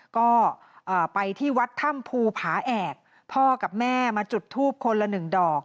ก็ไปที่วัดถ้ำภูผาแอกพ่อกับแม่มาจุดทูปคนละหนึ่งดอก